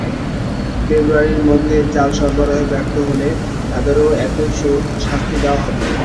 ফেব্রুয়ারির মধ্যে চাল সরবরাহে ব্যর্থ হলে তাঁদেরও একই শাস্তি দেওয়া হবে।